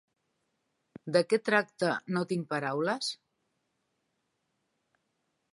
De què tracta 'No tinc paraules'?